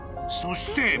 そして］